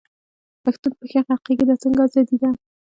پښتون په کښي غرقېږي، دا څنګه ازادي ده.